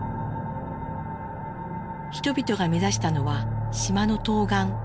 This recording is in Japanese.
人々が目指したのは島の東岸ドンニー。